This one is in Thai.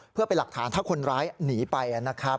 เพื่อเป็นหลักฐานถ้าคนร้ายหนีไปนะครับ